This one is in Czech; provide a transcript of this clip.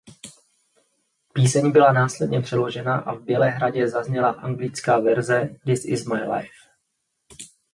Píseň byla následně přeložena a v Bělehradě zazněla anglická verze ""This Is My Life"".